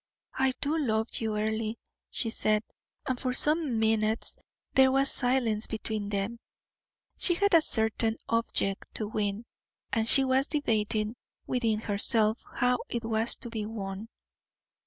"I do love you, Earle," she said, and for some minutes there was silence between them. She had a certain object to win, and she was debating within herself how it was to be won.